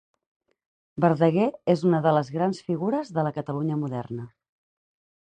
Verdaguer és una de les grans figures de la Catalunya moderna.